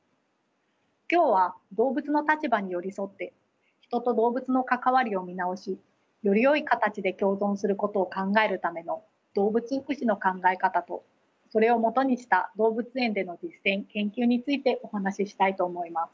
今日は動物の立場に寄り添って人と動物の関わりを見直しよりよい形で共存することを考えるための動物福祉の考え方とそれをもとにした動物園での実践研究についてお話ししたいと思います。